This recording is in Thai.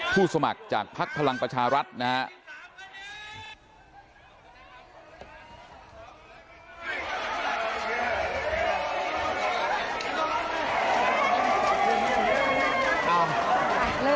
ผู้สมัครจากภักษ์พลังประชารัฐนะฮะ